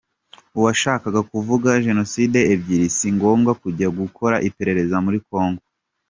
Uwashaka kuvuga jenoside ebyiri, si ngombwa kujya gukora iperereza muri Kongo.